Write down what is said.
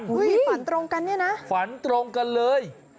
ฝันตรงกันเนี่ยนะฝันตรงกันเลย